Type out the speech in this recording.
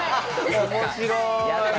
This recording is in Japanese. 面白い！